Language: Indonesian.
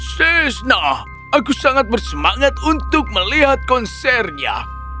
sheshna aku sangat bersemangat untuk melihat konsernya